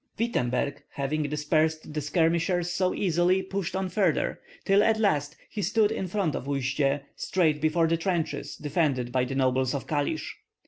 Wittemberg, having dispersed the skirmishers so easily, pushed on farther, till at last he stood in front of Uistsie, straight before the trenches defended by the nobles of Kalish.